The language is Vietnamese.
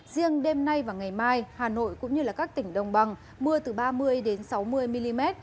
riêng đêm nay và ngày mai hà nội cũng như các tỉnh đồng bằng mưa từ ba mươi sáu mươi mm